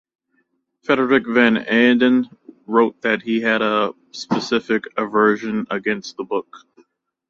Frederik van Eeden wrote that he had a specific aversion against the book.